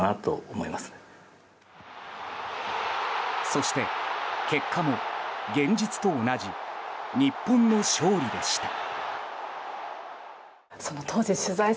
そして結果も現実と同じ日本の勝利でした。